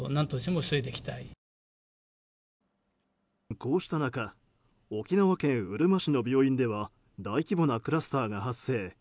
こうした中沖縄県うるま市の病院では大規模なクラスターが発生。